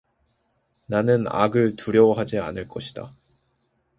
나는 악을 두려워하지 않을 것이다.